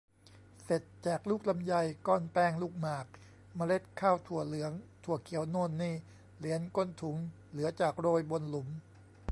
เสร็จแจก ลูกลำไย ก้อนแป้งลูกหมาก เมล็ดข้าวถั่วเหลืองถั่วเขียวโน่นนี่ เหรียญก้นถุง เหลือจากโรยบนหลุม